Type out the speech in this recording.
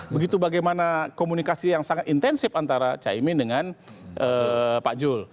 begitu bagaimana komunikasi yang sangat intensif antara caimin dengan pak jul